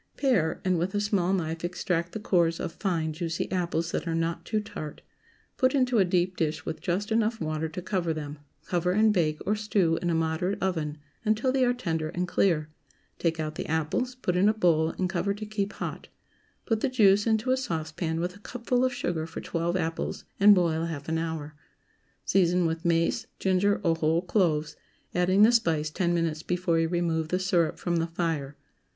✠ Pare, and with a small knife extract the cores of fine juicy apples that are not too tart; put into a deep dish with just enough water to cover them; cover and bake, or stew, in a moderate oven, until they are tender and clear; take out the apples, put in a bowl, and cover to keep hot; put the juice into a saucepan, with a cupful of sugar for twelve apples, and boil half an hour. Season with mace, ginger, or whole cloves, adding the spice ten minutes before you remove the syrup from the fire.